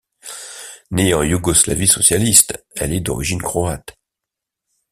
Née en Yougoslavie socialiste, elle est d'origine croate.